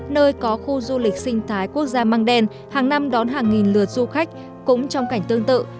nơi có khu du lịch sinh thái quốc gia mang đen hàng năm đón hàng nghìn lượt du khách cũng trong cảnh tương tự